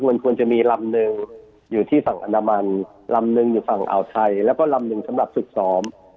มันควรจะมีลำหนึ่งอยู่ที่ฝั่งอนามันลำหนึ่งอยู่ฝั่งอ่าวไทยแล้วก็ลำหนึ่งสำหรับฝึกซ้อม